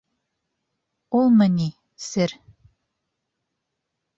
— Улмы, ни, сер.